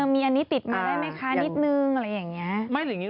มีอันนี้ติดมาได้ไหมคะนิดนึงอะไรอย่างนี้